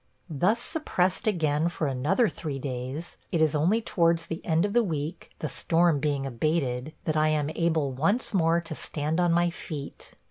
Thus suppressed again for another three days, it is only towards the end of the week – the storm being abated – that I am able once more to stand on my feet.